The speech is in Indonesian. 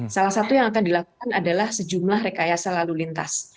salah satu yang akan dilakukan adalah sejumlah rekayasa lalu lintas